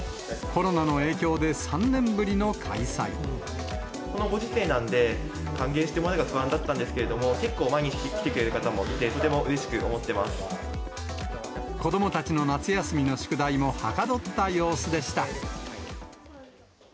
コロナの影響で３年ぶりの開このご時世なんで、歓迎してもらえるか不安だったんですけど、結構毎日、来てくれる方もいて、子どもたちの夏休みの宿題もはかどった様子でした。